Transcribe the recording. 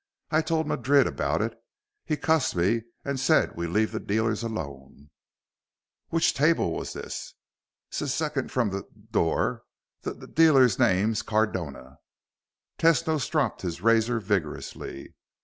I told Madrid about it. He cussed me and said we leave the dealers alone." "Which table was this?" "S second from the d door. The d dealer's name's Cardona." Tesno stropped his razor vigorously.